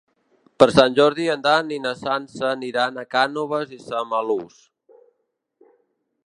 Per Sant Jordi en Dan i na Sança aniran a Cànoves i Samalús.